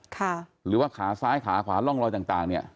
หรือว่าขาซ้ายขาขวาร่องรอยต่างต่างเนี่ย